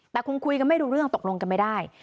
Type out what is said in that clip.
แต่คงคุยกันไม่รู้เรื่องตกลงกันไม่ได้